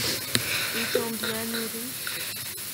Est-on bien nourri ?